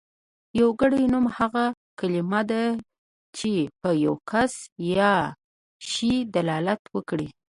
يوګړی نوم هغه کلمه ده چې په يو کس يا شي دلالت وکړي.